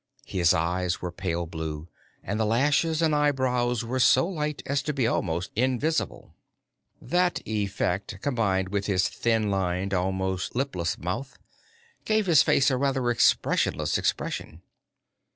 His eyes were pale blue, and the lashes and eyebrows were so light as to be almost invisible. That effect, combined with his thin lined, almost lipless mouth, gave his face a rather expressionless expression.